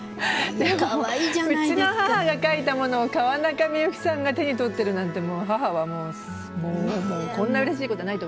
でもうちの母が描いたものを川中美幸さんが手に取ってるなんて母はもうこんなうれしいことはないと思いますけれども。